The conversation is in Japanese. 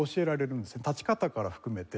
立ち方から含めて。